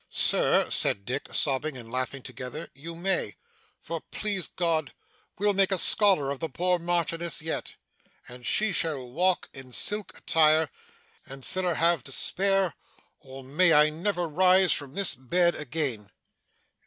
'Sir,' said Dick, sobbing and laughing together, 'you may. For, please God, we'll make a scholar of the poor Marchioness yet! And she shall walk in silk attire, and siller have to spare, or may I never rise from this bed again!